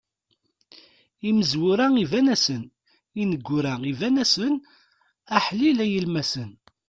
Imezwura iban-asen, ineggura iban-asen, aḥlil a yilemmasen.